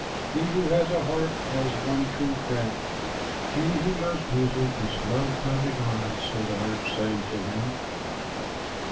"He who has a harp has one true friend. He who loves music is loved by the gods," so the harp sang to him.